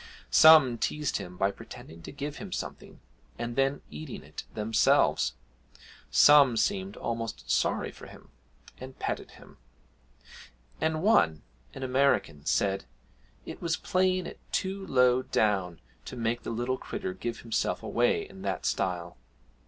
Some teased him by pretending to give him something, and then eating it themselves; some seemed almost sorry for him and petted him; and one, an American, said, 'It was playing it too low down to make the little critter give himself away in that style!'